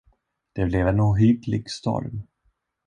Det blev en ohygglig storm.